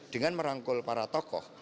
dengan merangkul para tokoh